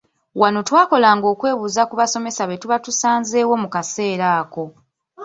Wano twakolanga okwebuuza ku basomesa be tuba tusanzeewo mu kaseera ako.